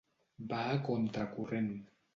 Va a contra-corrent.